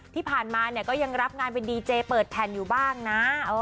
ที่ผ่านมาเนี่ยก็ยังรับงานเป็นดีเจเปิดแผ่นอยู่บ้างนะ